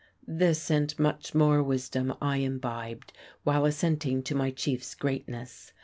This, and much more wisdom I imbibed while assenting to my chief's greatness.